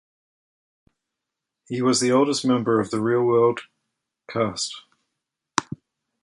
He was the oldest member of "The Real World" cast.